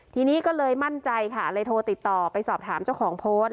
ทีนี้ก็เลยมั่นใจค่ะเลยโทรติดต่อไปสอบถามเจ้าของโพสต์